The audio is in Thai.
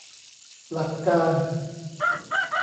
หลักการ